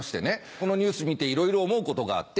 このニュース見ていろいろ思うことがあって。